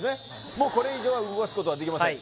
もうこれ以上は動かすことはできません